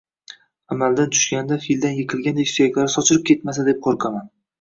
Amaldan tushganida fildan yiqilganidek suyaklari sochilib ketmasa deb qo’rqaman!